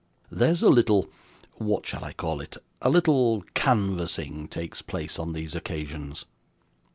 There's a little what shall I call it? a little canvassing takes place on these occasions.